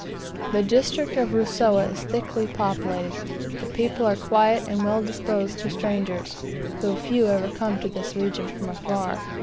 The district of Rusawa is thickly populated. The people are quiet and well disposed to strangers, though few ever come to this region from afar.